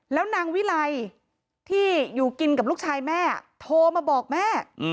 แล้วนางวิไลที่อยู่กินกับลูกชายแม่โทรมาบอกแม่